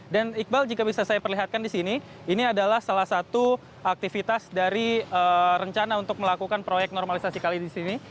dan iqbal jika bisa saya perlihatkan di sini ini adalah salah satu aktivitas dari rencana untuk melakukan proyek normalisasi kali ini